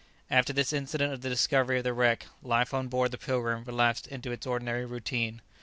After this incident of the discovery of the wreck, life on board the "Pilgrim" relapsed into its ordinary routine.